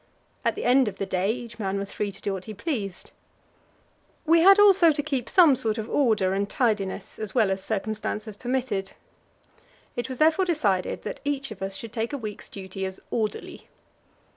At the end of the day each man was free to do what he pleased. We had also to keep some sort of order and tidiness, as well as circumstances permitted. It was therefore decided that each of us should take a week's duty as "orderly."